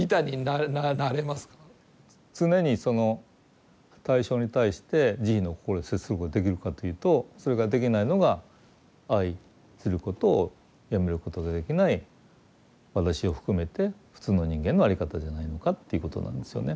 常にその対象に対して慈悲の心で接することができるかというとそれができないのが愛することをやめることができない私を含めて普通の人間の在り方じゃないのかっていうことなんですよね。